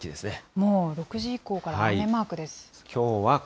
もう６時以降から雨マークです。